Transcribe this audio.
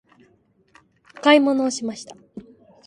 買い物をしました。